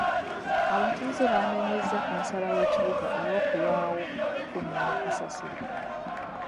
Abatuuze baanenyezza kansala w'ekibuga olw'okulwawo okukungaanya kasasiro.